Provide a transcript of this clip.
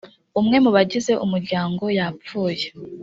umwe mubagize umuryango yapfuye